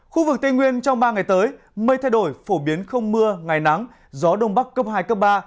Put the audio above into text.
khu vực tây nguyên trong ba ngày tới mây thay đổi phổ biến không mưa ngày nắng gió đông bắc cấp hai cấp ba